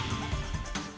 terima kasih juga